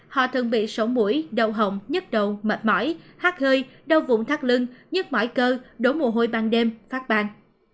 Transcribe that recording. họ thường bị sổ mũi đau hồng nhứt đầu mệt mỏi hát hơi đau vụn thắt lưng nhứt mỏi cơ đổ mồ hôi ban đêm phát ban